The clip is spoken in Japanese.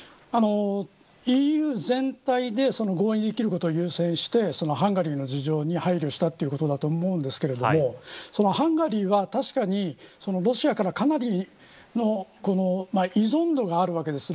ＥＵ全体で合意できることを優先してハンガリーの事情に配慮したということだと思いますがハンガリーは確かにロシアから、かなりの依存度があるわけです